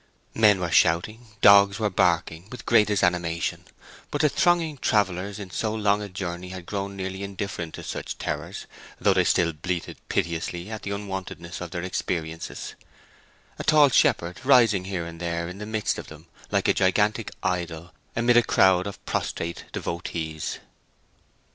Men were shouting, dogs were barking, with greatest animation, but the thronging travellers in so long a journey had grown nearly indifferent to such terrors, though they still bleated piteously at the unwontedness of their experiences, a tall shepherd rising here and there in the midst of them, like a gigantic idol amid a crowd of prostrate devotees.